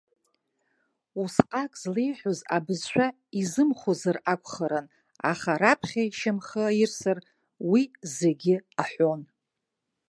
Усҟак злеиҳәоз абызшәа изымхозар акәхарын, аха раԥхьа ишьамхы аирсыр, уи зегьы аҳәон.